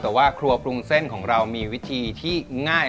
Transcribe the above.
แต่ว่าครัวปรุงเส้นของเรามีวิธีที่ง่าย